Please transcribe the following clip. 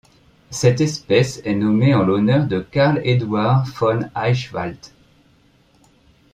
Cette espèce est nommée en l'honneur de Karl Eduard von Eichwald.